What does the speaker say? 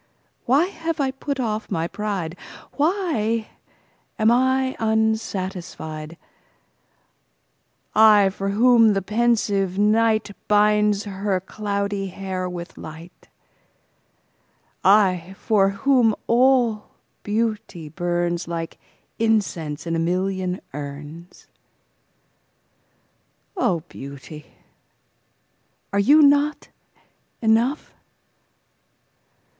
Why have I put off my pride, Why am I unsatisfied,—I, for whom the pensive nightBinds her cloudy hair with light,—I, for whom all beauty burnsLike incense in a million urns?O beauty, are you not enough?